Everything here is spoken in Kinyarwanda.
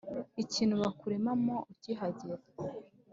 ikintu bakuremamo ukigeraha